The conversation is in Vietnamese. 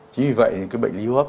chính vì vậy thì cái bệnh lý hốp